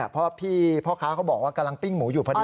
เพราะพี่พ่อค้าเขาบอกว่ากำลังปิ้งหมูอยู่พอดี